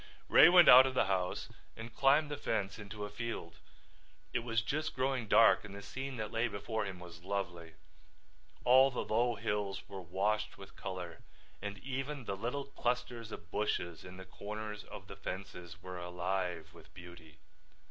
Ray went out of the house and climbed the fence into a field. It was just growing dark and the scene that lay before him was lovely. All the low hills were washed with color and even the little clusters of bushes in the corners of the fences were alive with beauty.